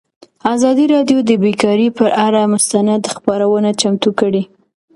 ازادي راډیو د بیکاري پر اړه مستند خپرونه چمتو کړې.